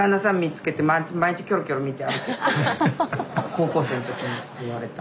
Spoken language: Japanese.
高校生の時に言われた。